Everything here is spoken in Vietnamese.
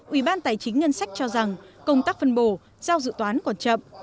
ủy ban tài chính ngân sách cho rằng công tác phân bổ giao dự toán còn chậm